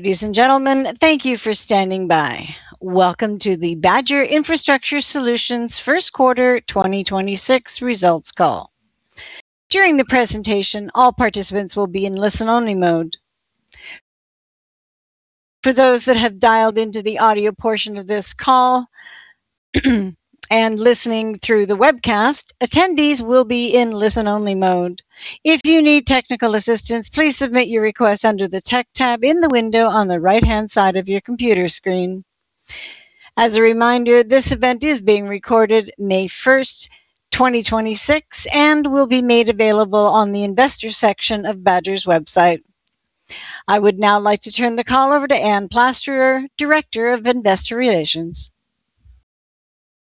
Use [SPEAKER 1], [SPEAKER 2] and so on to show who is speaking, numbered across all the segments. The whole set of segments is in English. [SPEAKER 1] Ladies and gentlemen, thank you for standing by. Welcome to the Badger Infrastructure Solutions first quarter 2026 results call. During the presentation, all participants will be in listen-only mode. For those that have dialed into the audio portion of this call, and listening through the webcast, attendees will be in listen-only mode. If you need technical assistance, please submit your request under the Tech tab in the window on the right-hand side of your computer screen. As a reminder, this event is being recorded May 1, 2026, and will be made available on the investor section of Badger's website. I would now like to turn the call over to Anne Plasterer, Director of Investor Relations.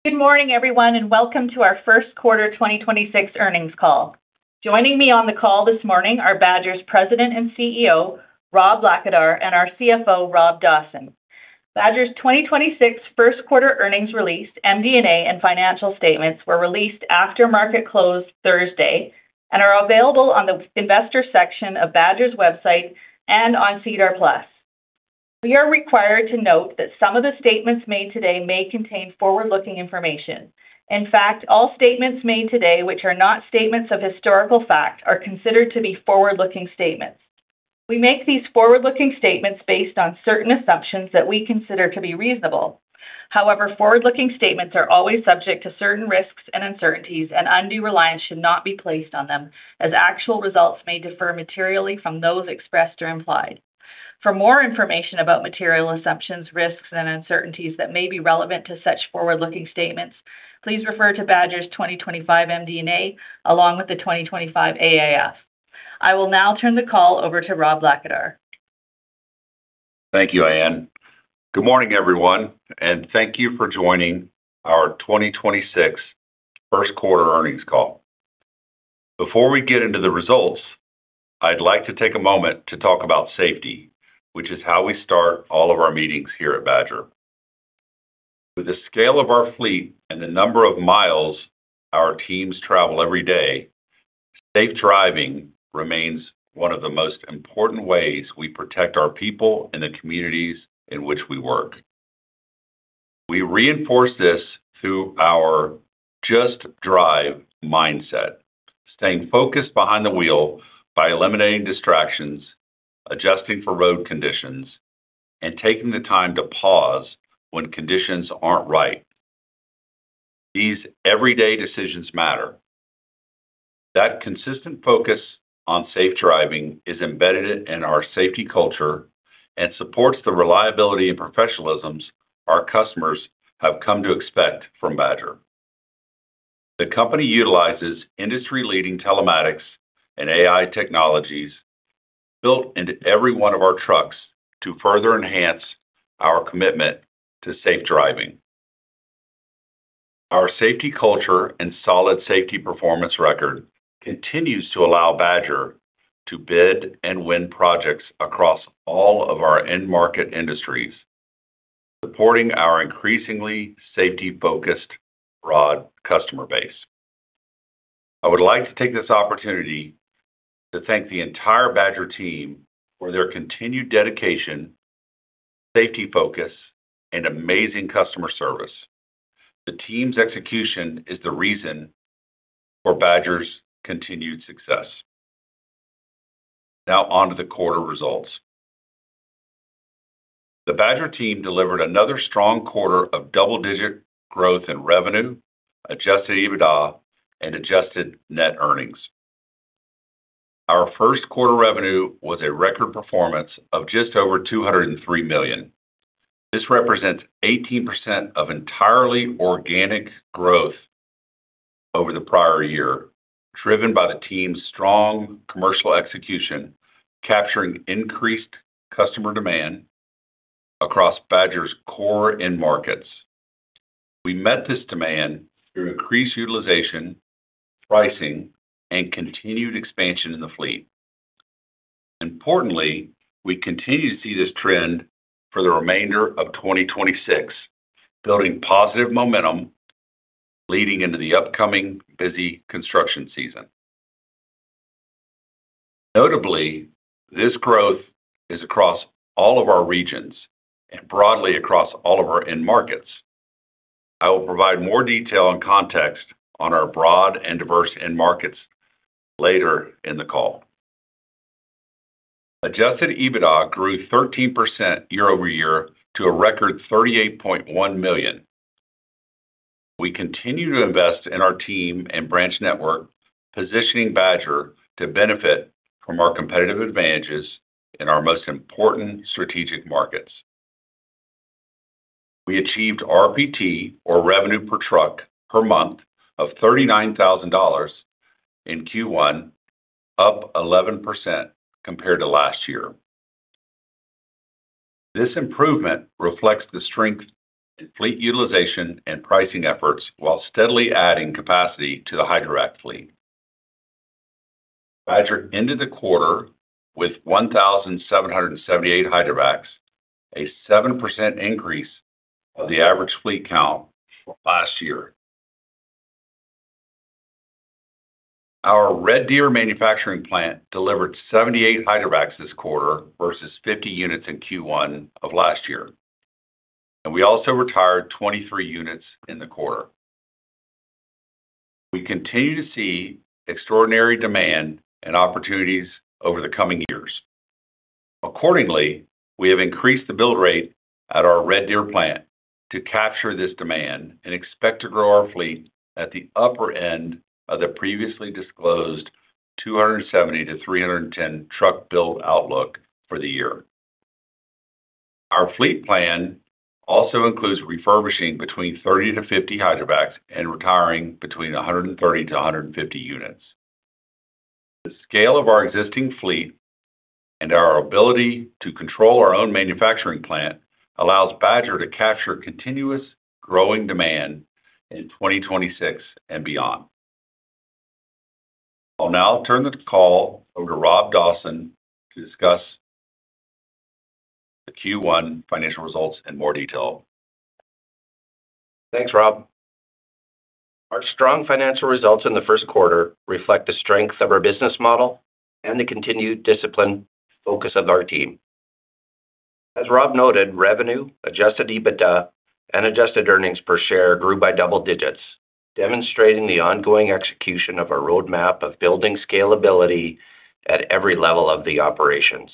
[SPEAKER 2] Good morning, everyone, and welcome to our first quarter 2026 earnings call. Joining me on the call this morning are Badger's President and CEO, Rob Blackadar, and our CFO, Rob Dawson. Badger's 2026 first quarter earnings release, MD&A, and financial statements were released after market close Thursday and are available on the investor section of Badger's website and on SEDAR+. We are required to note that some of the statements made today may contain forward-looking information. In fact, all statements made today which are not statements of historical fact are considered to be forward-looking statements. We make these forward-looking statements based on certain assumptions that we consider to be reasonable. However, forward-looking statements are always subject to certain risks and uncertainties, and undue reliance should not be placed on them as actual results may differ materially from those expressed or implied. For more information about material assumptions, risks, and uncertainties that may be relevant to such forward-looking statements, please refer to Badger's 2025 MD&A along with the 2025 AIF. I will now turn the call over to Rob Blackadar.
[SPEAKER 3] Thank you, Anne. Good morning, everyone, and thank you for joining our 2026 first quarter earnings call. Before we get into the results, I'd like to take a moment to talk about safety, which is how we start all of our meetings here at Badger. With the scale of our fleet and the number of miles our teams travel every day, safe driving remains one of the most important ways we protect our people and the communities in which we work. We reinforce this through our Just Drive mindset, staying focused behind the wheel by eliminating distractions, adjusting for road conditions, and taking the time to pause when conditions aren't right. These everyday decisions matter. That consistent focus on safe driving is embedded in our safety culture and supports the reliability and professionalism our customers have come to expect from Badger. The company utilizes industry-leading telematics and AI technologies built into every one of our trucks to further enhance our commitment to safe driving. Our safety culture and solid safety performance record continues to allow Badger to bid and win projects across all of our end market industries, supporting our increasingly safety-focused broad customer base. I would like to take this opportunity to thank the entire Badger team for their continued dedication, safety focus, and amazing customer service. The team's execution is the reason for Badger's continued success. Now onto the quarter results. The Badger team delivered another strong quarter of double-digit growth in revenue, adjusted EBITDA, and adjusted net earnings. Our first quarter revenue was a record performance of just over 203 million. This represents 18% of entirely organic growth over the prior year, driven by the team's strong commercial execution, capturing increased customer demand across Badger's core end markets. We met this demand through increased utilization, pricing, and continued expansion in the fleet. Importantly, we continue to see this trend for the remainder of 2026, building positive momentum leading into the upcoming busy construction season. Notably, this growth is across all of our regions and broadly across all of our end markets. I will provide more detail and context on our broad and diverse end markets later in the call. Adjusted EBITDA grew 13% year-over-year to a record 38.1 million. We continue to invest in our team and branch network, positioning Badger to benefit from our competitive advantages in our most important strategic markets. We achieved RPT, or revenue per truck per month, of 39,000 dollars in Q1, up 11% compared to last year. This improvement reflects the strength in fleet utilization and pricing efforts while steadily adding capacity to the hydrovac fleet. Badger ended the quarter with 1,778 hydrovacs, a 7% increase of the average fleet count from last year. Our Red Deer manufacturing plant delivered 78 hydrovacs this quarter versus 50 units in Q1 of last year. We also retired 23 units in the quarter. We continue to see extraordinary demand and opportunities over the coming years. Accordingly, we have increased the build rate at our Red Deer plant to capture this demand and expect to grow our fleet at the upper end of the previously disclosed 270 to 310 truck build outlook for the year. Our fleet plan also includes refurbishing between 30 to 50 hydrovacs and retiring between 130 to 150 units. The scale of our existing fleet and our ability to control our own manufacturing plant allows Badger to capture continuous growing demand in 2026 and beyond. I'll now turn the call over to Rob Dawson to discuss the Q1 financial results in more detail.
[SPEAKER 4] Thanks, Rob. Our strong financial results in the first quarter reflect the strength of our business model and the continued disciplined focus of our team. As Rob noted, revenue, adjusted EBITDA, and adjusted earnings per share grew by double digits, demonstrating the ongoing execution of our roadmap of building scalability at every level of the operations.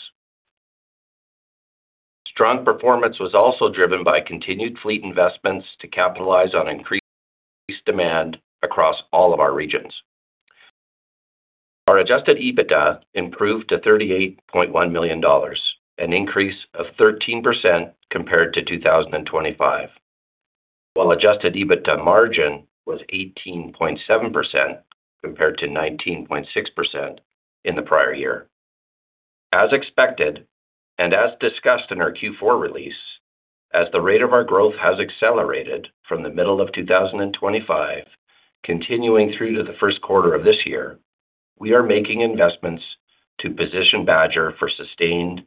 [SPEAKER 4] Strong performance was also driven by continued fleet investments to capitalize on increased demand across all of our regions. Our adjusted EBITDA improved to 38.1 million dollars, an increase of 13% compared to 2025, while adjusted EBITDA margin was 18.7% compared to 19.6% in the prior year. As expected, as discussed in our Q4 release, as the rate of our growth has accelerated from the middle of 2025 continuing through to the first quarter of this year, we are making investments to position Badger for sustained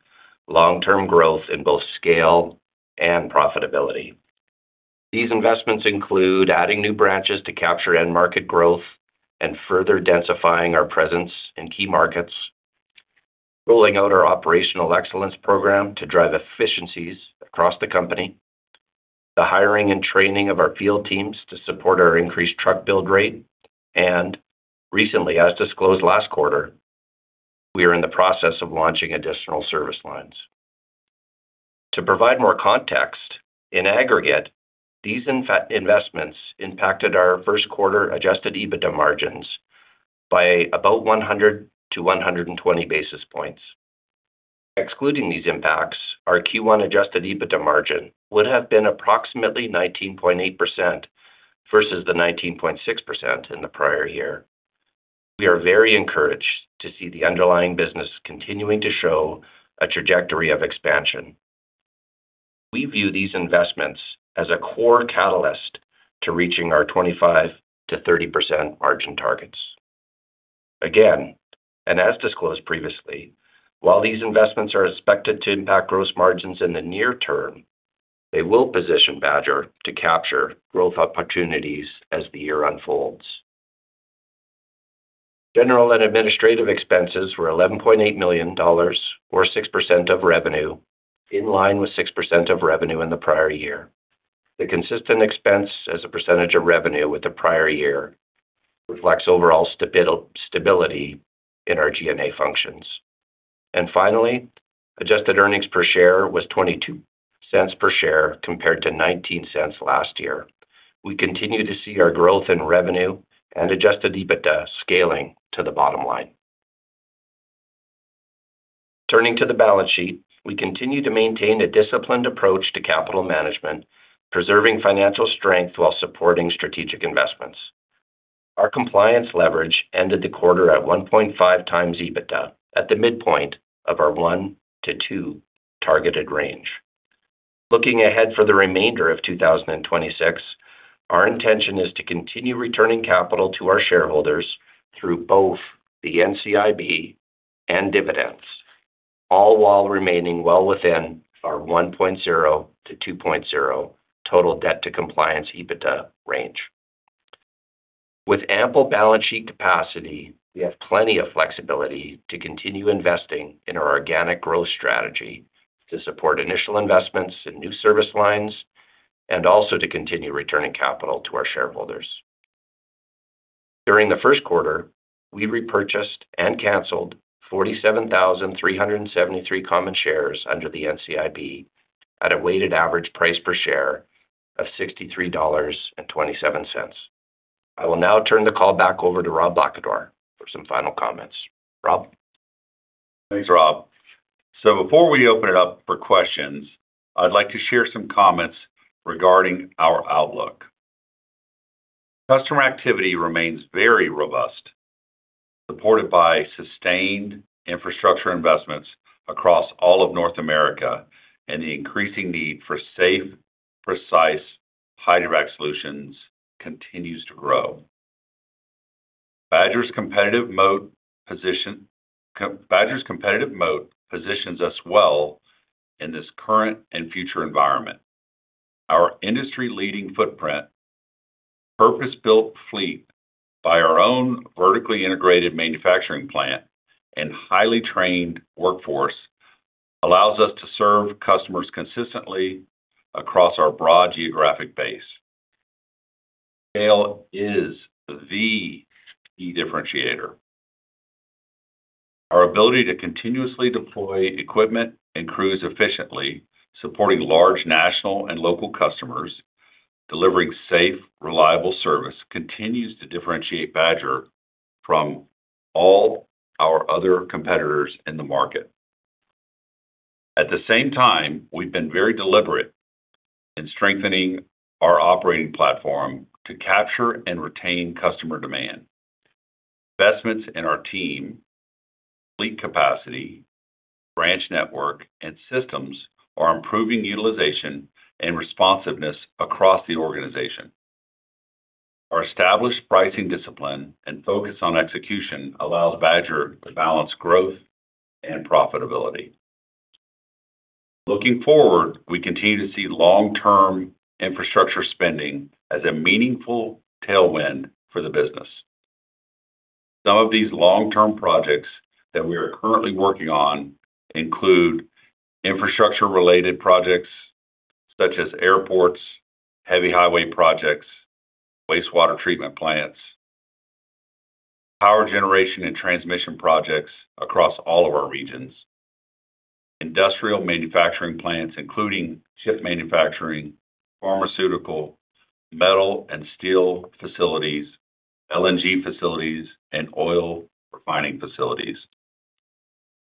[SPEAKER 4] long-term growth in both scale and profitability. These investments include adding new branches to capture end market growth and further densifying our presence in key markets, rolling out our operational excellence program to drive efficiencies across the company, the hiring and training of our field teams to support our increased truck build rate. Recently, as disclosed last quarter, we are in the process of launching additional service lines. To provide more context, in aggregate, these investments impacted our first quarter adjusted EBITDA margins by about 100-120 basis points. Excluding these impacts, our Q1 adjusted EBITDA margin would have been approximately 19.8% versus the 19.6% in the prior year. We are very encouraged to see the underlying business continuing to show a trajectory of expansion. We view these investments as a core catalyst to reaching our 25%-30% margin targets. As disclosed previously, while these investments are expected to impact gross margins in the near term, they will position Badger to capture growth opportunities as the year unfolds. General and administrative expenses were 11.8 million dollars or 6% of revenue, in line with 6% of revenue in the prior year. The consistent expense as a percentage of revenue with the prior year reflects overall stability in our G&A functions. Finally, adjusted earnings per share was 0.22 per share compared to 0.19 last year. We continue to see our growth in revenue and adjusted EBITDA scaling to the bottom line. Turning to the balance sheet, we continue to maintain a disciplined approach to capital management, preserving financial strength while supporting strategic investments. Our compliance leverage ended the quarter at 1.5x EBITDA at the midpoint of our 1x-2x targeted range. Looking ahead for the remainder of 2026, our intention is to continue returning capital to our shareholders through both the NCIB and dividends, all while remaining well within our 1.0x-2.0x total debt to compliance EBITDA range. With ample balance sheet capacity, we have plenty of flexibility to continue investing in our organic growth strategy to support initial investments in new service lines and also to continue returning capital to our shareholders. During the first quarter, we repurchased and canceled 47,373 common shares under the NCIB at a weighted average price per share of 63.27 dollars. I will now turn the call back over to Rob Blackadar for some final comments. Rob.
[SPEAKER 3] Thanks, Rob. Before we open it up for questions, I'd like to share some comments regarding our outlook. Customer activity remains very robust, supported by sustained infrastructure investments across all of North America, and the increasing need for safe, precise hydrovac solutions continues to grow. Badger's competitive moat positions us well in this current and future environment. Our industry-leading footprint, purpose-built fleet by our own vertically integrated manufacturing plant and highly trained workforce allows us to serve customers consistently across our broad geographic base. Scale is the key differentiator. Our ability to continuously deploy equipment and crews efficiently, supporting large national and local customers, delivering safe, reliable service continues to differentiate Badger from all our other competitors in the market. At the same time, we've been very deliberate in strengthening our operating platform to capture and retain customer demand. Investments in our team, fleet capacity, branch network, and systems are improving utilization and responsiveness across the organization. Our established pricing discipline and focus on execution allows Badger to balance growth and profitability. Looking forward, we continue to see long-term infrastructure spending as a meaningful tailwind for the business. Some of these long-term projects that we are currently working on include infrastructure-related projects such as airports, heavy highway projects, wastewater treatment plants, power generation and transmission projects across all of our regions. Industrial manufacturing plants, including chip manufacturing, pharmaceutical, metal and steel facilities, LNG facilities, and oil refining facilities,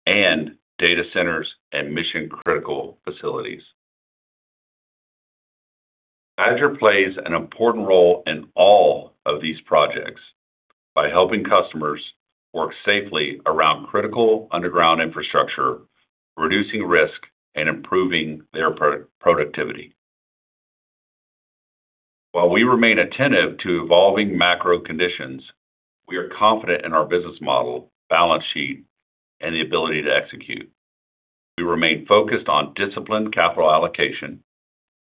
[SPEAKER 3] and data centers and mission-critical facilities. Badger plays an important role in all of these projects by helping customers work safely around critical underground infrastructure, reducing risk and improving their productivity. While we remain attentive to evolving macro conditions, we are confident in our business model, balance sheet, and the ability to execute. We remain focused on disciplined capital allocation,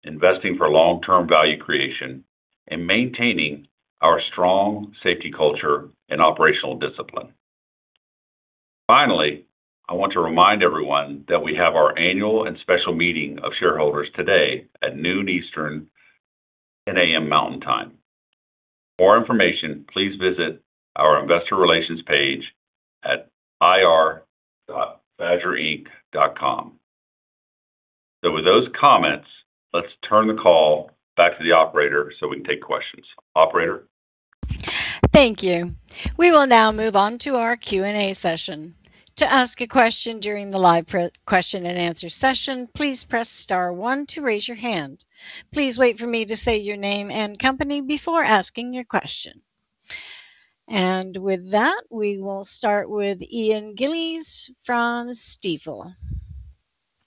[SPEAKER 3] investing for long-term value creation, and maintaining our strong safety culture and operational discipline. Finally, I want to remind everyone that we have our annual and special meeting of shareholders today at noon Eastern, 10:00 A.M. Mountain Time. For more information, please visit our investor relations page at ir.badgerinc.com. With those comments, let's turn the call back to the operator so we can take questions. Operator.
[SPEAKER 1] Thank you. We will now move on to our Q&A session. To ask a question during the live question and answer session, please press star one to raise your hand. Please wait for me to say your name and company before asking your question. With that, we will start with Ian Gillies from Stifel.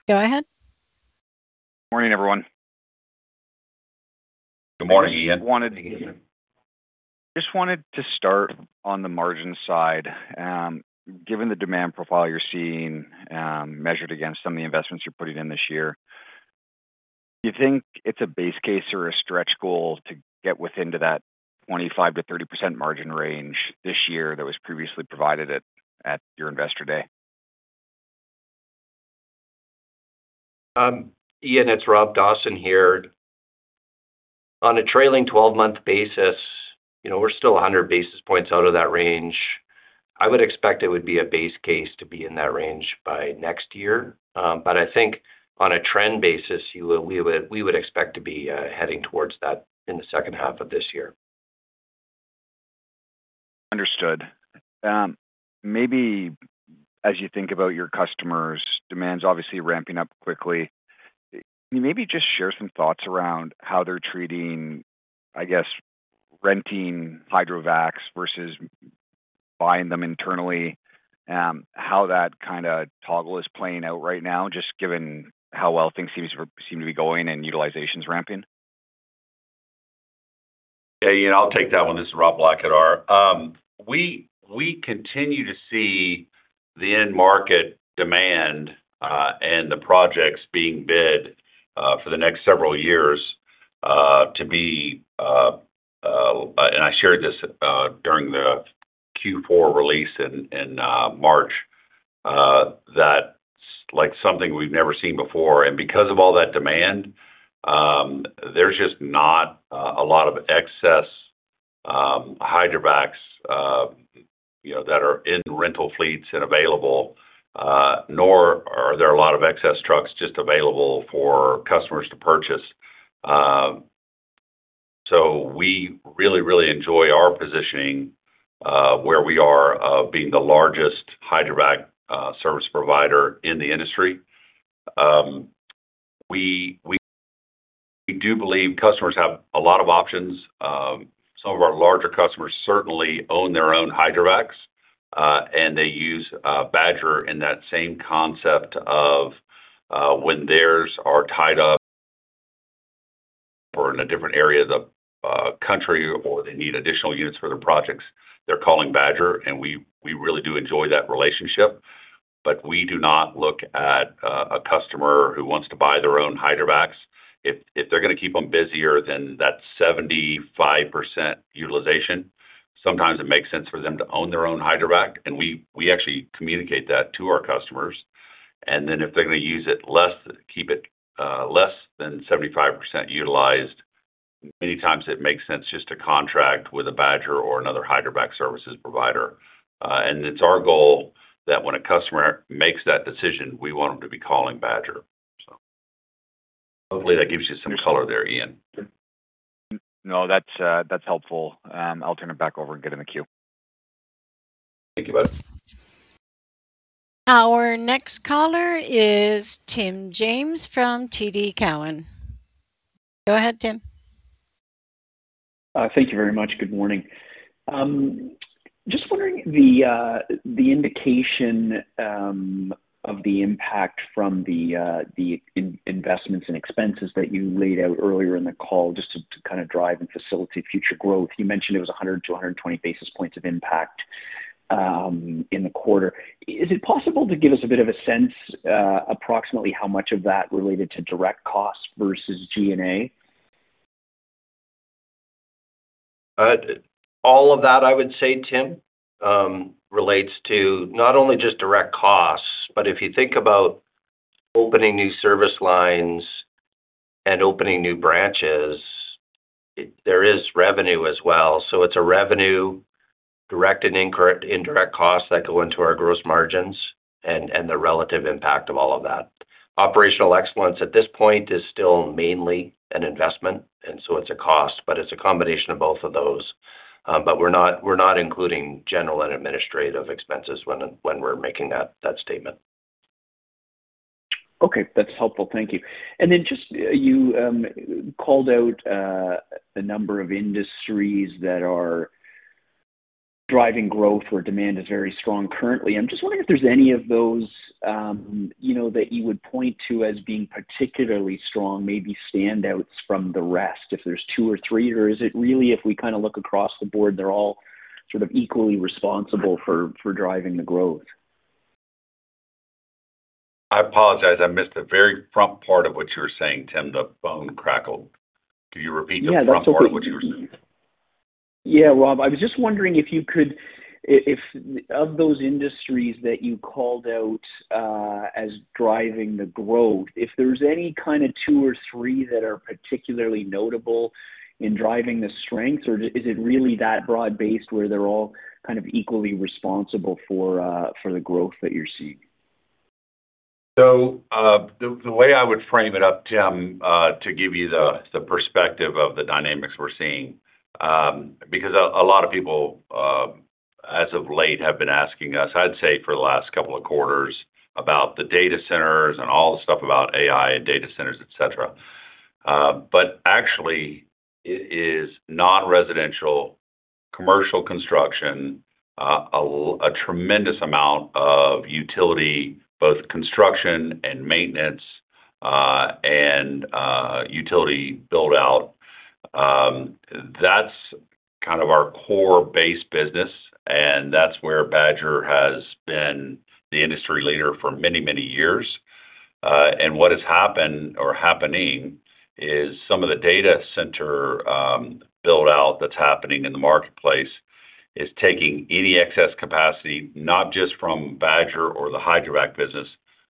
[SPEAKER 1] Go ahead.
[SPEAKER 5] Morning, everyone.
[SPEAKER 3] Good morning, Ian.
[SPEAKER 5] I just wanted to start on the margin side. Given the demand profile you're seeing, measured against some of the investments you're putting in this year, do you think it's a base case or a stretch goal to get within to that 25%-30% margin range this year that was previously provided at your Investor Day?
[SPEAKER 4] Ian, it's Rob Dawson here. On a trailing 12-month basis, you know, we're still 100 basis points out of that range. I would expect it would be a base case to be in that range by next year. I think on a trend basis, we would expect to be heading towards that in the second half of this year.
[SPEAKER 5] Understood. Maybe as you think about your customers, demand's obviously ramping up quickly. Can you maybe just share some thoughts around how they're treating, I guess, renting hydrovacs versus buying them internally, how that kinda toggle is playing out right now, just given how well things seem to be going and utilization's ramping?
[SPEAKER 3] Yeah, Ian, I'll take that one. This is Rob Blackadar. We continue to see the end market demand and the projects being bid for the next several years to be, and I shared this during the Q4 release in March, like something we've never seen before. Because of all that demand, there's just not a lot of excess hydrovacs, you know, that are in rental fleets and available, nor are there a lot of excess trucks just available for customers to purchase. We really enjoy our positioning where we are, being the largest hydrovac service provider in the industry. We do believe customers have a lot of options. Some of our larger customers certainly own their own hydrovacs, and they use Badger in that same concept of when theirs are tied up or in a different area of the country or they need additional units for their projects, they're calling Badger, and we really do enjoy that relationship. We do not look at a customer who wants to buy their own hydrovacs. If they're gonna keep them busier than that 75% utilization, sometimes it makes sense for them to own their own hydrovac. We, we actually communicate that to our customers. If they're gonna use it less, keep it less than 75% utilized, many times it makes sense just to contract with a Badger or another hydrovac services provider. It's our goal that when a customer makes that decision, we want them to be calling Badger. Hopefully that gives you some color there, Ian.
[SPEAKER 5] No, that's helpful. I'll turn it back over and get in the queue.
[SPEAKER 3] Thank you, bud.
[SPEAKER 1] Our next caller is Tim James from TD Cowen. Go ahead, Tim.
[SPEAKER 6] Thank you very much. Good morning. Just wondering the indication of the impact from the investments and expenses that you laid out earlier in the call just to kind of drive and facilitate future growth. You mentioned it was 100-120 basis points of impact in the quarter. Is it possible to give us a bit of a sense, approximately how much of that related to direct costs versus G&A?
[SPEAKER 4] All of that, I would say, Tim, relates to not only just direct costs, but if you think about opening new service lines and opening new branches, there is revenue as well. It's a revenue direct and indirect costs that go into our gross margins and the relative impact of all of that. Operational excellence at this point is still mainly an investment, it's a cost, it's a combination of both of those. We're not, we're not including general and administrative expenses when we're making that statement.
[SPEAKER 6] Okay. That's helpful. Thank you. Then just, you called out a number of industries that are driving growth where demand is very strong currently. I'm just wondering if there's any of those, you know, that you would point to as being particularly strong, maybe standouts from the rest, if there's two or three. Or is it really if we kind of look across the board, they're all sort of equally responsible for driving the growth?
[SPEAKER 3] I apologize. I missed the very front part of what you were saying, Tim. The phone crackled. Could you repeat the front part of what you were saying?
[SPEAKER 6] Yeah, that's okay. Yeah, Rob, I was just wondering if of those industries that you called out as driving the growth, if there's any kind of two or three that are particularly notable in driving the strengths, or is it really that broad-based where they're all kind of equally responsible for the growth that you're seeing?
[SPEAKER 3] The way I would frame it up, Tim, to give you the perspective of the dynamics we're seeing, because a lot of people, as of late have been asking us, I'd say for the last couple of quarters, about the data centers and all the stuff about AI and data centers, et cetera. But actually it is non-residential commercial construction, a tremendous amount of utility, both construction and maintenance, and utility build-out. That's kind of our core base business, and that's where Badger has been the industry leader for many, many years. And what has happened or happening is some of the data center build-out that's happening in the marketplace is taking any excess capacity, not just from Badger or the hydrovac business,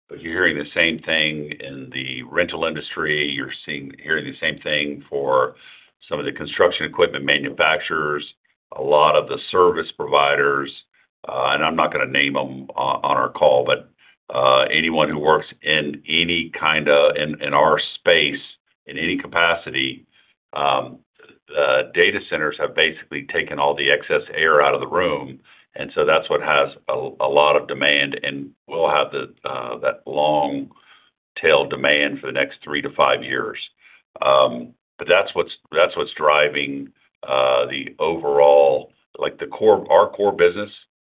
[SPEAKER 3] but you're hearing the same thing in the rental industry. You're hearing the same thing for some of the construction equipment manufacturers, a lot of the service providers, and I'm not gonna name them on our call, but anyone who works in any kind of in our space in any capacity, data centers have basically taken all the excess air out of the room. That's what has a lot of demand, and we'll have that long tail demand for the next three to five years. But that's what's driving the overall. Like our core business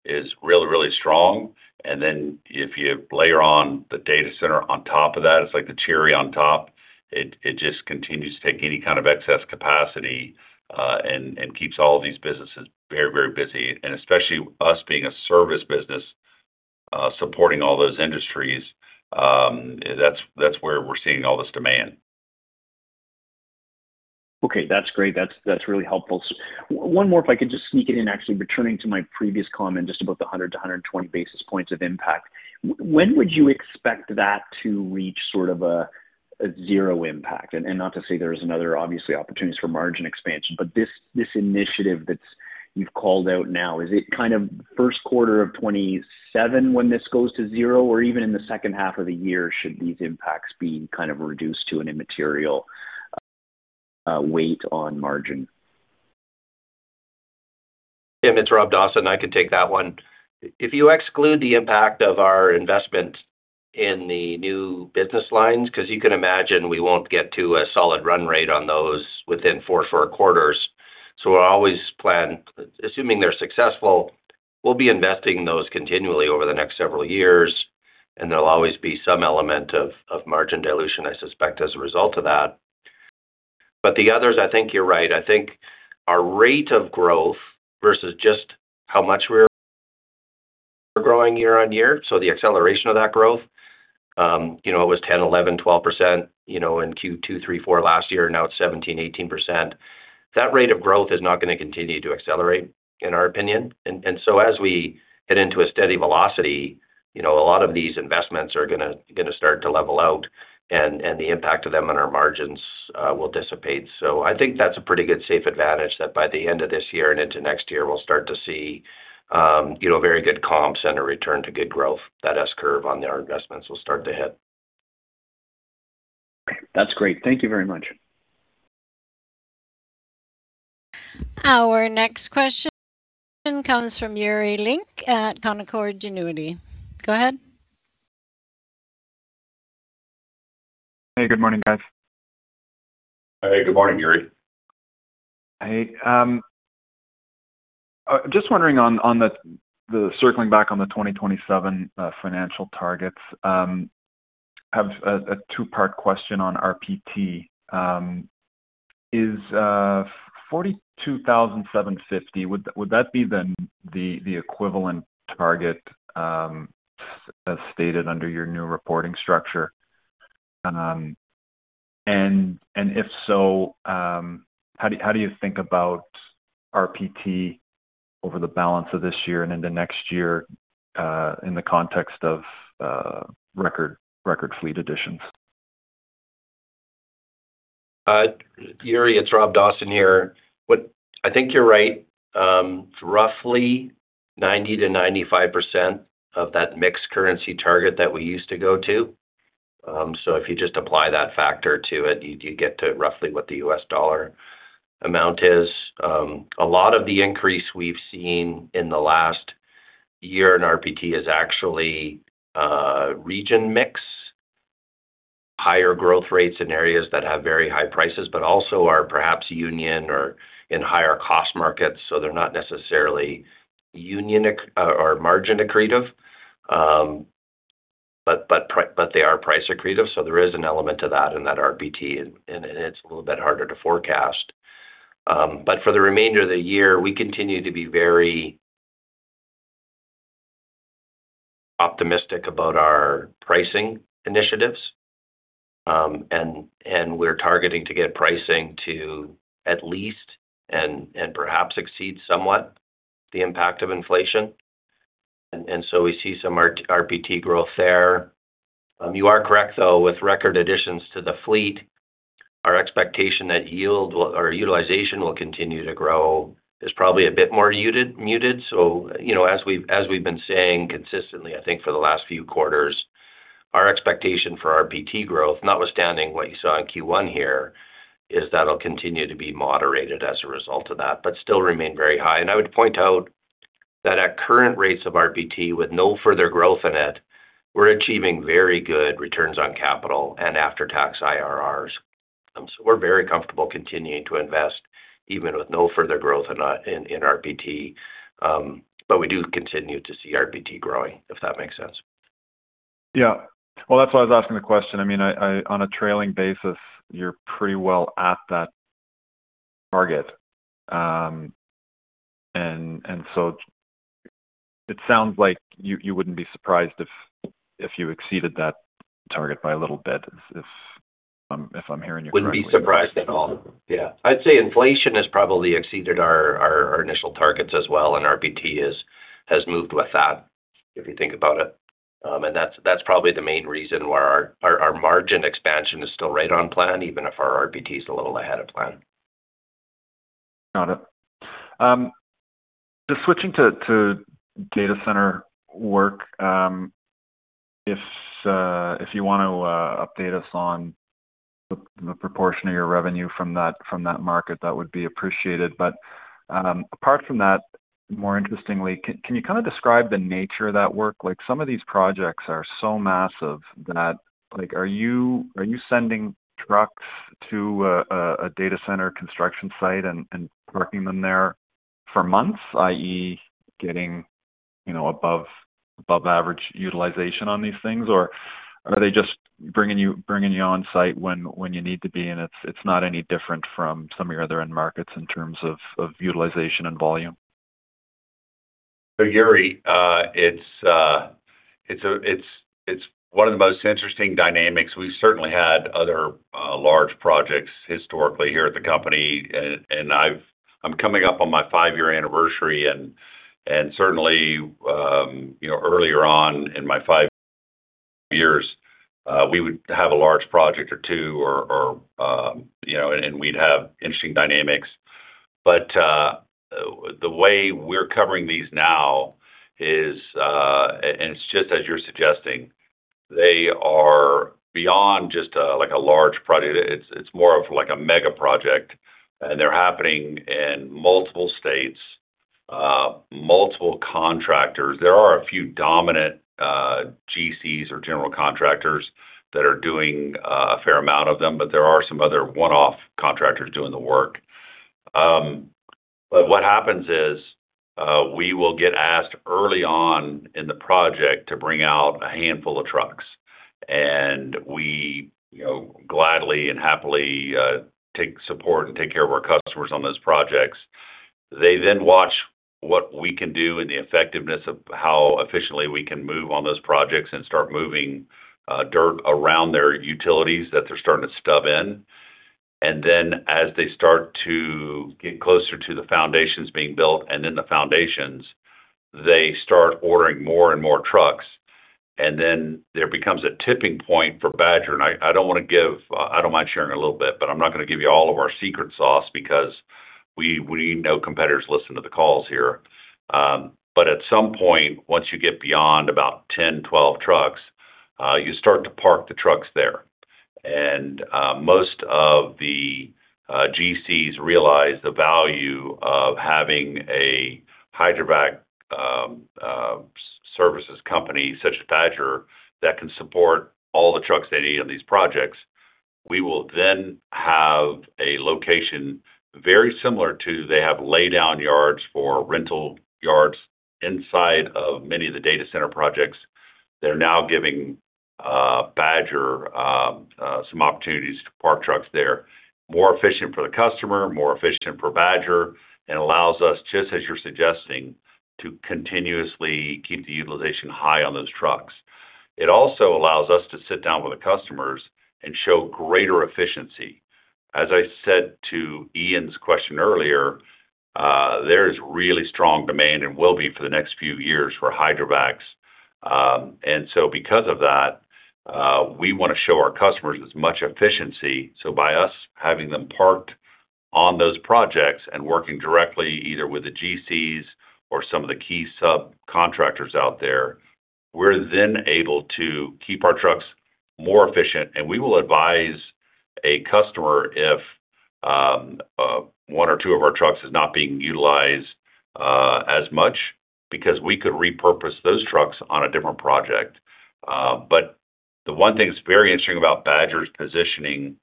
[SPEAKER 3] is really, really strong. If you layer on the data center on top of that, it's like the cherry on top. It just continues to take any kind of excess capacity and keeps all of these businesses very, very busy. Especially us being a service business, supporting all those industries, that's where we're seeing all this demand.
[SPEAKER 6] Okay. That's great. That's, that's really helpful. One more, if I could just sneak it in, actually returning to my previous comment just about the 100 to 120 basis points of impact. When would you expect that to reach sort of a zero impact? Not to say there's another obviously opportunities for margin expansion, but this initiative that's you've called out now, is it kind of first quarter of 2027 when this goes to zero, or even in the second half of the year should these impacts be kind of reduced to an immaterial weight on margin?
[SPEAKER 4] Tim, it's Rob Dawson. I can take that one. If you exclude the impact of our investment in the new business lines, 'cause you can imagine we won't get to a solid run rate on those within fourth quarters. We'll always plan, assuming they're successful, we'll be investing those continually over the next several years, and there'll always be some element of margin dilution, I suspect, as a result of that. The others, I think you're right. I think our rate of growth versus just how much we're growing year on year, so the acceleration of that growth, you know, it was 10%, 11%, 12%, you know, in Q2, three, four last year. Now it's 17%, 18%. That rate of growth is not gonna continue to accelerate, in our opinion. So as we head into a steady velocity, you know, a lot of these investments are gonna start to level out and the impact of them on our margins will dissipate. I think that's a pretty good safe advantage that by the end of this year and into next year we'll start to see, you know, very good comps and a return to good growth. That S-curve on their investments will start to hit.
[SPEAKER 6] That's great. Thank you very much.
[SPEAKER 1] Our next question comes from Yuri Lynk at Canaccord Genuity. Go ahead.
[SPEAKER 7] Hey, good morning, guys.
[SPEAKER 4] Hey, good morning, Yuri.
[SPEAKER 7] Hey. Just wondering on the circling back on the 2027 financial targets, have a two-part question on RPT. Is 42,750, would that be then the equivalent target as stated under your new reporting structure? If so, how do you think about RPT over the balance of this year and into next year in the context of record fleet additions?
[SPEAKER 4] Yuri Lynk, it's Rob Dawson here. I think you're right. roughly 90%-95% of that mixed currency target that we used to go to. If you just apply that factor to it, you get to roughly what the USD amount is. A lot of the increase we've seen in the last year in RPT is actually region mix, higher growth rates in areas that have very high prices, but also are perhaps union or in higher cost markets, so they're not necessarily union or margin accretive. They are price accretive, so there is an element to that in that RPT and it's a little bit harder to forecast. For the remainder of the year, we continue to be very optimistic about our pricing initiatives. We're targeting to get pricing to at least and perhaps exceed somewhat the impact of inflation. So we see some RPT growth there. You are correct, though. With record additions to the fleet, our expectation that yield or utilization will continue to grow is probably a bit more muted. So, you know, as we've, as we've been saying consistently, I think for the last few quarters, our expectation for RPT growth, notwithstanding what you saw in Q1 here, is that'll continue to be moderated as a result of that, but still remain very high. I would point out that at current rates of RPT with no further growth in it, we're achieving very good returns on capital and after-tax IRRs. We're very comfortable continuing to invest even with no further growth in RPT. We do continue to see RPT growing, if that makes sense.
[SPEAKER 7] Yeah. Well, that's why I was asking the question. I mean, on a trailing basis, you're pretty well at that target. It sounds like you wouldn't be surprised if you exceeded that target by a little bit, if I'm hearing you correctly.
[SPEAKER 4] Wouldn't be surprised at all. Yeah. I'd say inflation has probably exceeded our initial targets as well, RPT has moved with that, if you think about it. That's probably the main reason why our margin expansion is still right on plan, even if our RPT is a little ahead of plan.
[SPEAKER 7] Got it. Just switching to data center work, if you want to update us on the proportion of your revenue from that market, that would be appreciated. Apart from that, more interestingly, can you kind of describe the nature of that work? Some of these projects are so massive that are you sending trucks to a data center construction site and parking them there for months, i.e., getting, you know, above average utilization on these things? Or are they just bringing you on site when you need to be, and it's not any different from some of your other end markets in terms of utilization and volume?
[SPEAKER 3] Yuri, it's one of the most interesting dynamics. We've certainly had other large projects historically here at the company. I'm coming up on my five-year anniversary and certainly, you know, earlier on in my five years, we would have a large project or one or two, and we'd have interesting dynamics. The way we're covering these now is, and it's just as you're suggesting, they are beyond just a, like a large project. It's more of like a mega project, and they're happening in multiple states, multiple contractors. There are a few dominant GCs or general contractors that are doing a fair amount of them, but there are some other one-off contractors doing the work. What happens is, we will get asked early on in the project to bring out a handful of trucks. We, you know, gladly and happily, take support and take care of our customers on those projects. They then watch what we can do and the effectiveness of how efficiently we can move on those projects and start moving dirt around their utilities that they're starting to stub in. Then as they start to get closer to the foundations being built and then the foundations, they start ordering more and more trucks, and then there becomes a tipping point for Badger. I don't mind sharing a little bit, but I'm not gonna give you all of our secret sauce because we know competitors listen to the calls here. At some point, once you get beyond about 10, 12 trucks, you start to park the trucks there. Most of the GCs realize the value of having a hydrovac services company such as Badger that can support all the trucks they need on these projects. We will then have a location very similar to they have laydown yards for rental yards inside of many of the data center projects that are now giving Badger some opportunities to park trucks there. More efficient for the customer, more efficient for Badger, allows us, just as you're suggesting, to continuously keep the utilization high on those trucks. It also allows us to sit down with the customers and show greater efficiency. As I said to Ian's question earlier, there is really strong demand and will be for the next few years for hydrovacs. Because of that, we want to show our customers as much efficiency. By us having them parked on those projects and working directly either with the GCs or some of the key subcontractors out there, we're then able to keep our trucks more efficient. We will advise a customer if, one or two of our trucks is not being utilized, as much because we could repurpose those trucks on a different project. The one thing that's very interesting about Badger's positioning,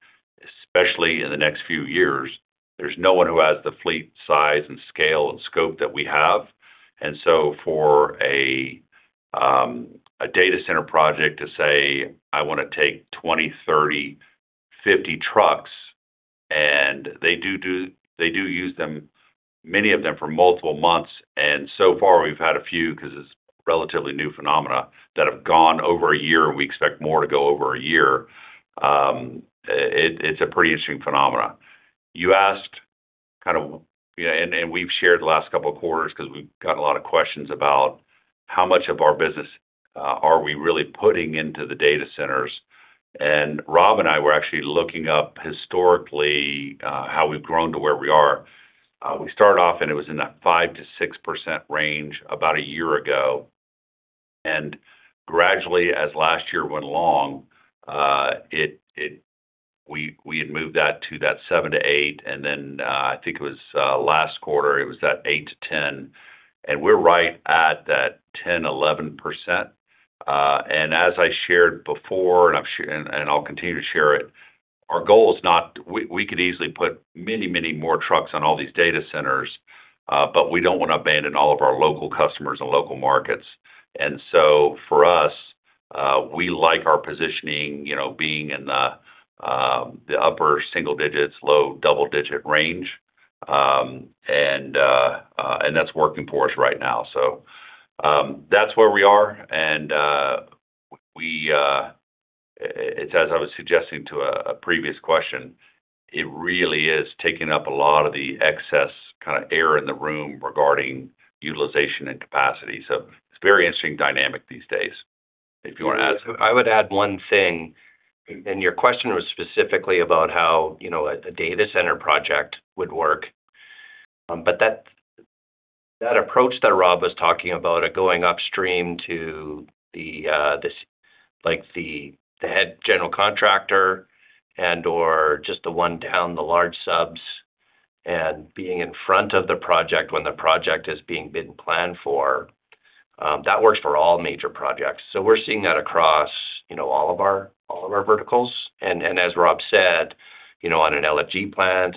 [SPEAKER 3] especially in the next few years, there's no one who has the fleet size and scale and scope that we have. For a data center project to say, "I want to take 20, 30, 50 trucks," and they do use them, many of them for multiple months. So far, we've had a few, because it's relatively new phenomena, that have gone over a year. We expect more to go over a year. It's a pretty interesting phenomena. You asked kind of, you know, and we've shared the last couple of quarters because we've gotten a lot of questions about how much of our business are we really putting into the data centers. Rob and I were actually looking up historically how we've grown to where we are. We started off, and it was in that 5%-6% range about a year ago. Gradually, as last year went along, we had moved that to that 7-8%, and then, I think it was last quarter, it was that 8-10%. We're right at that 10-11%. As I shared before, and I'll continue to share it, our goal is not. We could easily put many, many more trucks on all these data centers, but we don't want to abandon all of our local customers and local markets. For us, we like our positioning, you know, being in the upper single digits, low double digit range. That's working for us right now. That's where we are. It's as I was suggesting to a previous question, it really is taking up a lot of the excess kind of air in the room regarding utilization and capacity. It's a very interesting dynamic these days, if you want to add.
[SPEAKER 4] I would add one thing. Your question was specifically about how, you know, a data center project would work. That approach that Rob was talking about of going upstream to the like the head general contractor and/or just the one down the large subs and being in front of the project when the project is being planned for, that works for all major projects. We're seeing that across, you know, all of our, all of our verticals. As Rob said, you know, on an LNG plant,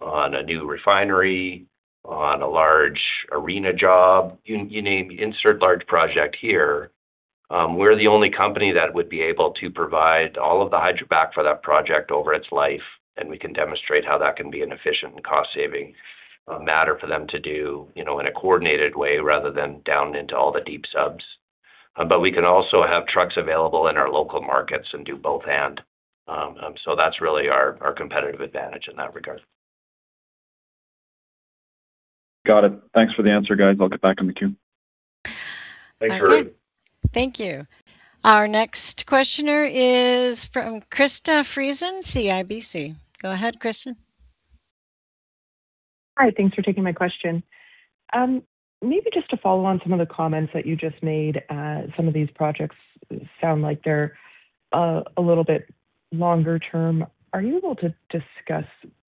[SPEAKER 4] on a new refinery, on a large arena job, you name, insert large project here, we're the only company that would be able to provide all of the hydrovac for that project over its life, and we can demonstrate how that can be an efficient and cost-saving matter for them to do, you know, in a coordinated way rather than down into all the deep subs. We can also have trucks available in our local markets and do both/and. That's really our competitive advantage in that regard.
[SPEAKER 7] Got it. Thanks for the answer, guys. I'll get back in the queue.
[SPEAKER 3] Thanks, Yuri.
[SPEAKER 1] All right. Thank you. Our next questioner is from Krista Friesen, CIBC. Go ahead, Krista.
[SPEAKER 8] Hi. Thanks for taking my question. Maybe just to follow on some of the comments that you just made, some of these projects sound like they're a little bit longer term. Are you able to discuss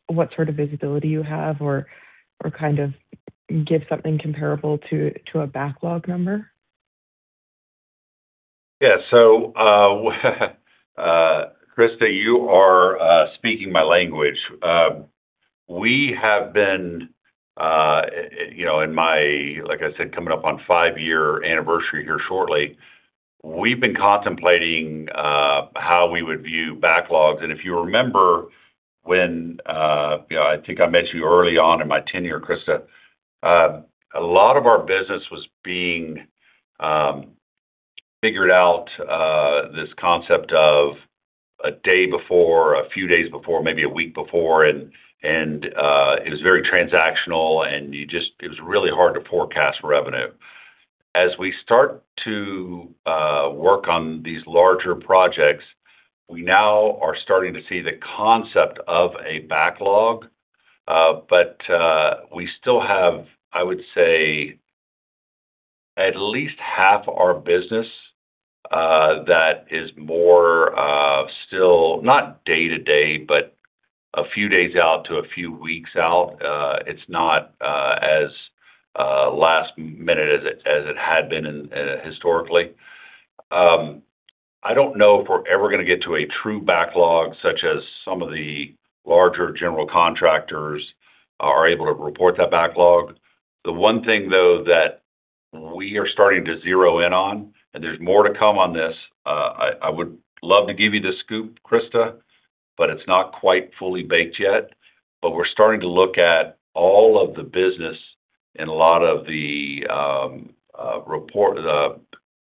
[SPEAKER 8] what sort of visibility you have or kind of give something comparable to a backlog number?
[SPEAKER 3] Yeah. Krista, you are speaking my language. We have been, you know, in my, like I said, coming up on 5-year anniversary here shortly. We've been contemplating how we would view backlogs. If you remember when, you know, I think I mentioned to you early on in my tenure, Krista, a lot of our business was being figured out, this concept of a day before, a few days before, maybe a week before, and it was very transactional, it was really hard to forecast revenue. As we start to work on these larger projects, we now are starting to see the concept of a backlog. But we still have, I would say, at least half our business, that is more, still not day-to-day, but a few days out to a few weeks out. It's not as last minute as it, as it had been in historically. I don't know if we're ever gonna get to a true backlog such as some of the larger general contractors are able to report that backlog. The one thing, though, that we are starting to zero in on, and there's more to come on this, I would love to give you the scoop, Krista, but it's not quite fully baked yet. But we're starting to look at all of the business and a lot of the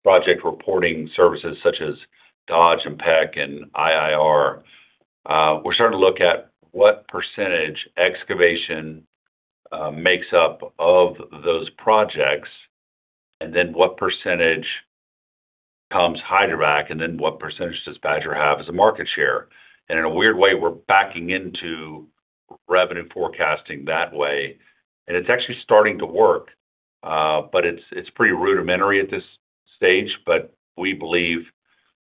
[SPEAKER 3] project reporting services such as Dodge and Peck and IIR. We're starting to look at what percentage excavation makes up of those projects, and then what percentage becomes hydrovac, and then what percentage does Badger have as a market share. In a weird way, we're backing into revenue forecasting that way, and it's actually starting to work. It's pretty rudimentary at this stage. We believe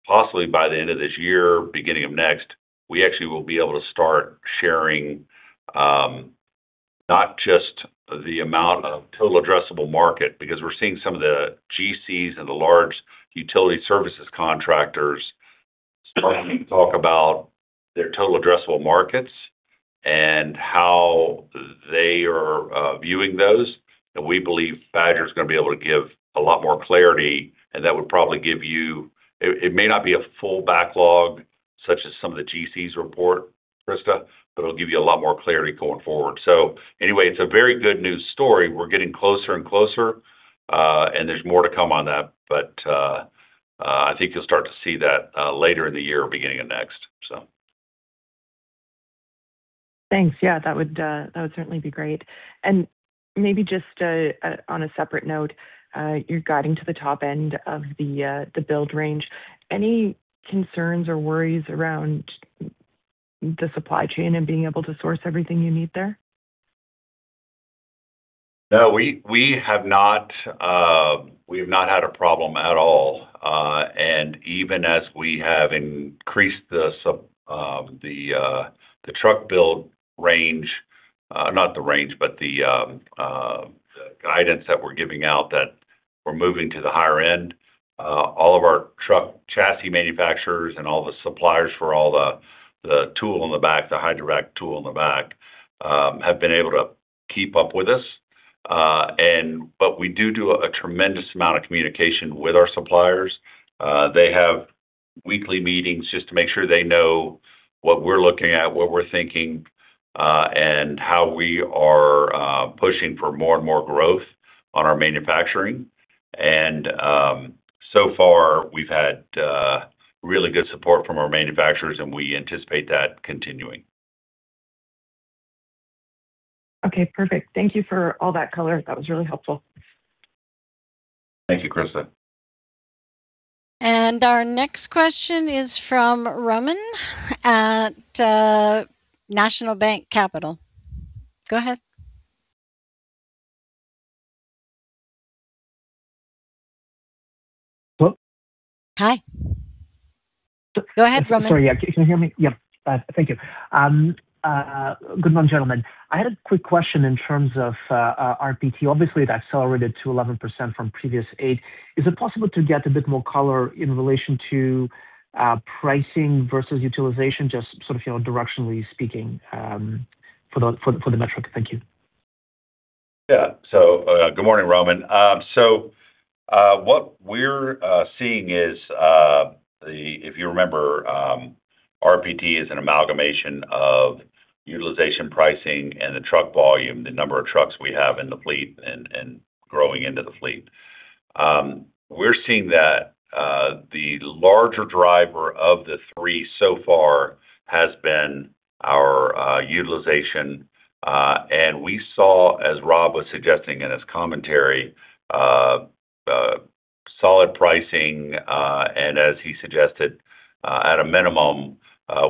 [SPEAKER 3] possibly by the end of this year, beginning of next, we actually will be able to start sharing, not just the amount of total addressable market. We're seeing some of the GCs and the large utility services contractors starting to talk about their total addressable markets and how they are viewing those. We believe Badger is gonna be able to give a lot more clarity, and that would probably give you. It, it may not be a full backlog such as some of the GCs report, Krista, but it'll give you a lot more clarity going forward. Anyway, it's a very good news story. We're getting closer and closer, and there's more to come on that. I think you'll start to see that later in the year or beginning of next, so.
[SPEAKER 8] Thanks. Yeah, that would, that would certainly be great. Maybe just, on a separate note, you're guiding to the top end of the build range. Any concerns or worries around the supply chain and being able to source everything you need there?
[SPEAKER 3] No, we have not had a problem at all. Even as we have increased the truck build range, not the range, but the guidance that we're giving out that we're moving to the higher end. All of our truck chassis manufacturers and all the suppliers for all the tool in the back, the hydrovac tool in the back, have been able to keep up with us. But we do a tremendous amount of communication with our suppliers. They have weekly meetings just to make sure they know what we're looking at, what we're thinking, and how we are pushing for more and more growth on our manufacturing. So far we've had really good support from our manufacturers, and we anticipate that continuing.
[SPEAKER 8] Okay, perfect. Thank you for all that color. That was really helpful.
[SPEAKER 3] Thank you, Krista.
[SPEAKER 1] Our next question is from Roman at National Bank Capital. Go ahead.
[SPEAKER 9] Hello.
[SPEAKER 1] Hi. Go ahead, Roman.
[SPEAKER 9] Sorry, yeah. Can you hear me? Yeah. Thank you. Good morning, gentlemen. I had a quick question in terms of RPT. Obviously, it accelerated to 11% from previous 8%. Is it possible to get a bit more color in relation to pricing versus utilization, just sort of, you know, directionally speaking, for the metric? Thank you.
[SPEAKER 3] Good morning, Roman. What we're seeing is, if you remember, RPT is an amalgamation of utilization pricing and the truck volume, the number of trucks we have in the fleet and growing into the fleet. We're seeing that the larger driver of the three so far has been our utilization. We saw, as Rob was suggesting in his commentary, solid pricing. As he suggested, at a minimum,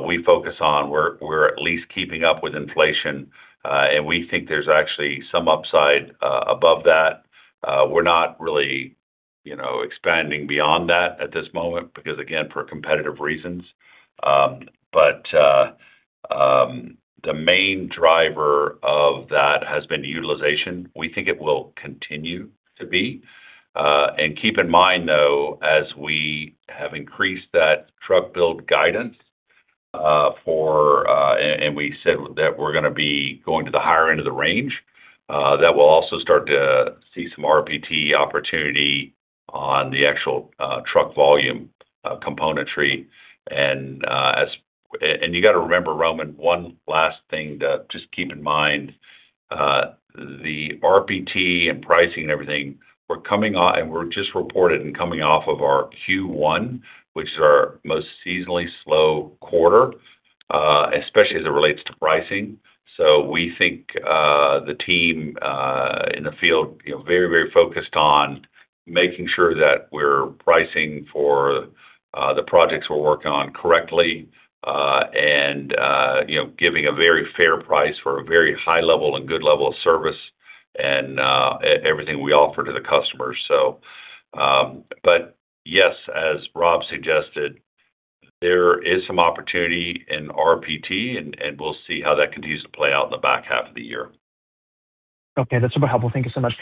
[SPEAKER 3] we focus on we're at least keeping up with inflation, and we think there's actually some upside above that. We're not really, you know, expanding beyond that at this moment because, again, for competitive reasons. The main driver of that has been utilization. We think it will continue to be. Keep in mind, though, as we have increased that truck build guidance for, and we said that we're gonna be going to the higher end of the range, that will also start to see some RPT opportunity on the actual truck volume componentry. You got to remember, Roman, one last thing to just keep in mind, the RPT and pricing and everything, we're coming on and we're just reported and coming off of our Q1, which is our most seasonally slow quarter, especially as it relates to pricing. We think the team in the field, you know, very, very focused on making sure that we're pricing for the projects we're working on correctly, and, you know, giving a very fair price for a very high level and good level of service and everything we offer to the customers. But yes, as Rob suggested, there is some opportunity in RPT and we'll see how that continues to play out in the back half of the year.
[SPEAKER 9] Okay, that's super helpful. Thank you so much.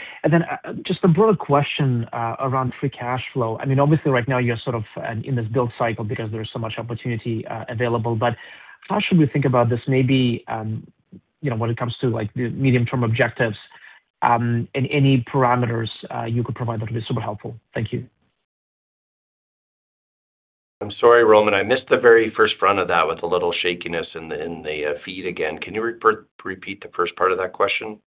[SPEAKER 9] Just a broader question around free cash flow. I mean, obviously right now you're sort of in this build cycle because there is so much opportunity available. How should we think about this maybe, you know, when it comes to, like, the medium-term objectives, and any parameters you could provide that would be super helpful. Thank you.
[SPEAKER 4] I'm sorry, Roman, I missed the very first front of that with a little shakiness in the feed again. Can you repeat the first part of that question?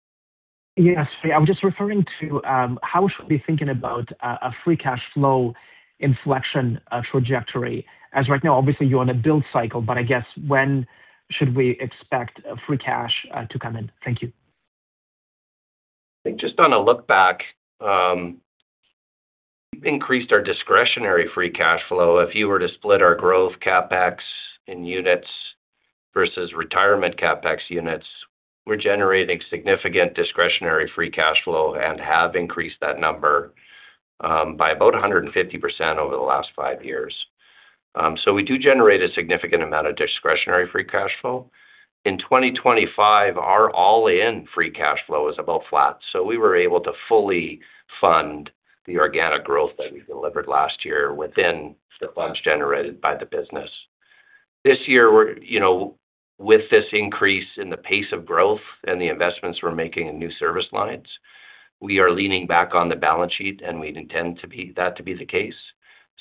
[SPEAKER 9] Yes. I'm just referring to, how should we be thinking about a free cash flow inflection trajectory? Right now, obviously you're on a build cycle, but I guess when should we expect free cash to come in? Thank you.
[SPEAKER 4] I think just on a look back, we've increased our discretionary free cash flow. If you were to split our growth CapEx in units versus retirement CapEx units, we're generating significant discretionary free cash flow and have increased that number by about 150% over the last five years. We do generate a significant amount of discretionary free cash flow. In 2025, our all-in free cash flow is about flat, so we were able to fully fund the organic growth that we delivered last year within the funds generated by the business. This year, we're, you know, with this increase in the pace of growth and the investments we're making in new service lines, we are leaning back on the balance sheet, and we intend that to be the case,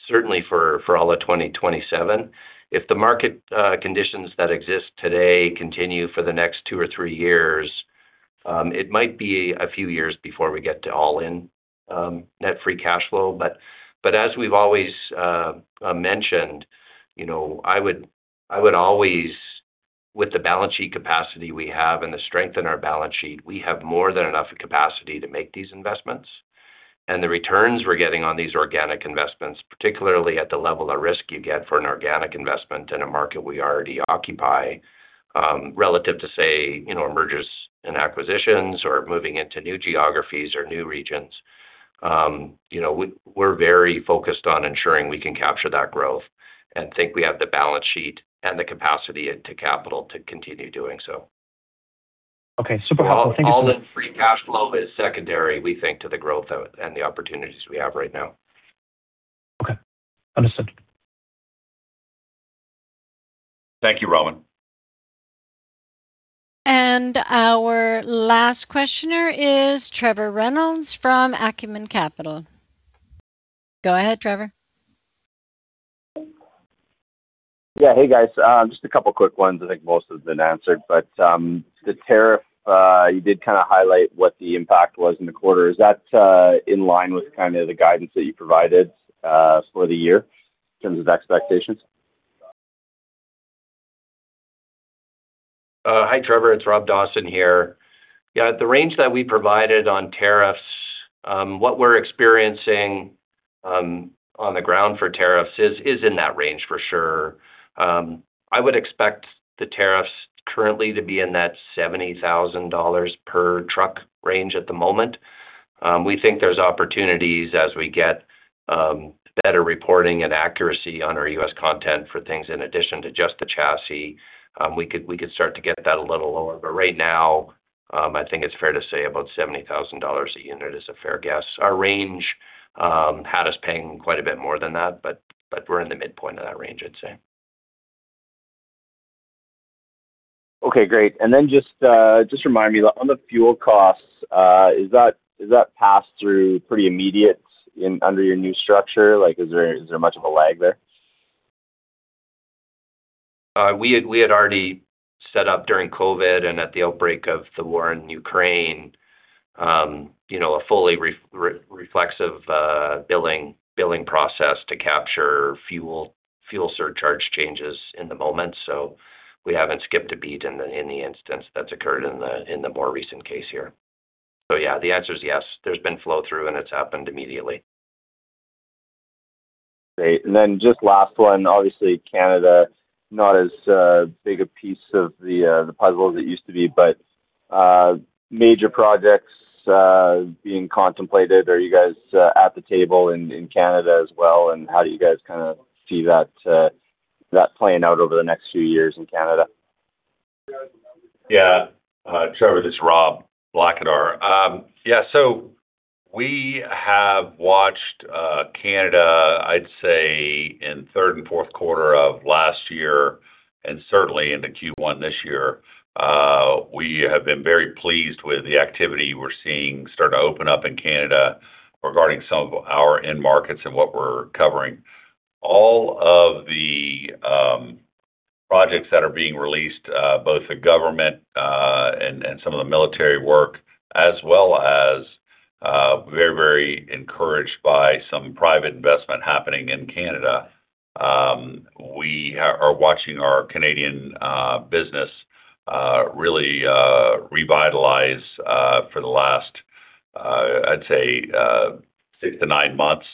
[SPEAKER 4] certainly for all of 2027. If the market conditions that exist today continue for the next two or three years, it might be a few years before we get to all-in net free cash flow. As we've always mentioned, you know, with the balance sheet capacity we have and the strength in our balance sheet, we have more than enough capacity to make these investments. The returns we're getting on these organic investments, particularly at the level of risk you get for an organic investment in a market we already occupy, relative to say, you know, mergers and acquisitions or moving into new geographies or new regions, you know, we're very focused on ensuring we can capture that growth and think we have the balance sheet and the capacity into capital to continue doing so.
[SPEAKER 9] Okay. Super helpful. Thank you so much.
[SPEAKER 4] All in free cash flow is secondary, we think, to the opportunities we have right now.
[SPEAKER 9] Okay. Understood.
[SPEAKER 4] Thank you, Roman.
[SPEAKER 1] Our last questioner is Trevor Reynolds from Acumen Capital. Go ahead, Trevor.
[SPEAKER 10] Yeah. Hey, guys. Just two quick ones. I think most have been answered. The tariff, you did kind of highlight what the impact was in the quarter. Is that in line with kind of the guidance that you provided for the year in terms of expectations?
[SPEAKER 4] Hi, Trevor. It's Rob Dawson here. Yeah, the range that we provided on tariffs, what we're experiencing on the ground for tariffs is in that range for sure. I would expect the tariffs currently to be in the $70,000 per truck range at the moment. We think there's opportunities as we get better reporting and accuracy on our U.S. content for things in addition to just the chassis. We could start to get that a little lower. Right now, I think it's fair to say about $70,000 a unit is a fair guess. Our range had us paying quite a bit more than that, but we're in the midpoint of that range, I'd say.
[SPEAKER 10] Okay, great. Then just remind me. On the fuel costs, is that passed through pretty immediate under your new structure? Like, is there much of a lag there?
[SPEAKER 4] We had already set up during COVID and at the outbreak of the war in Ukraine, you know, a fully reflexive billing process to capture fuel surcharge changes in the moment. We haven't skipped a beat in the instance that's occurred in the more recent case here. Yeah, the answer is yes. There's been flow through, and it's happened immediately.
[SPEAKER 10] Great. Just last one. Obviously, Canada, not as big a piece of the puzzle as it used to be. Major projects being contemplated. Are you guys at the table in Canada as well, and how do you guys kinda see that playing out over the next few years in Canada?
[SPEAKER 3] Trevor, this is Rob Blackadar. We have watched Canada, I'd say in third and fourth quarter of last year, and certainly into Q1 this year. We have been very pleased with the activity we're seeing start to open up in Canada regarding some of our end markets and what we're covering. All of the projects that are being released, both the government and some of the military work, as well as very, very encouraged by some private investment happening in Canada. We are watching our Canadian business really revitalize for the last, I'd say, six to nine months.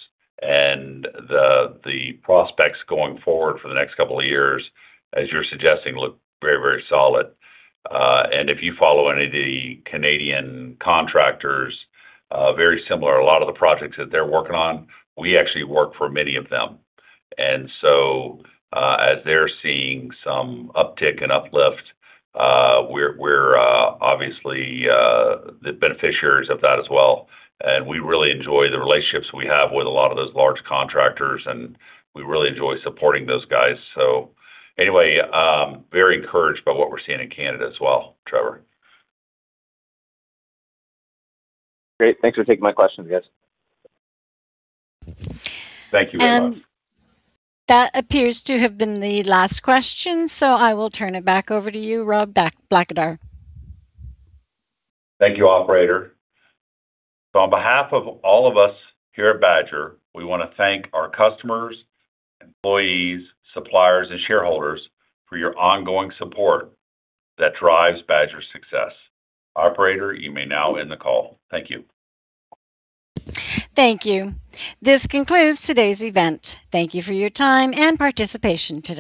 [SPEAKER 3] The prospects going forward for the next two years, as you're suggesting, look very, very solid. If you follow any of the Canadian contractors, very similar, a lot of the projects that they're working on, we actually work for many of them. As they're seeing some uptick and uplift, we're, obviously, the beneficiaries of that as well. We really enjoy the relationships we have with a lot of those large contractors, and we really enjoy supporting those guys. Anyway, very encouraged by what we're seeing in Canada as well, Trevor.
[SPEAKER 10] Great. Thanks for taking my questions, guys.
[SPEAKER 3] Thank you very much.
[SPEAKER 1] That appears to have been the last question, so I will turn it back over to you, Rob Blackadar.
[SPEAKER 3] Thank you, operator. On behalf of all of us here at Badger, we wanna thank our customers, employees, suppliers, and shareholders for your ongoing support that drives Badger's success. Operator, you may now end the call. Thank you.
[SPEAKER 1] Thank you. This concludes today's event. Thank you for your time and participation today.